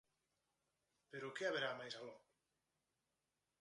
Pero que haberá máis aló?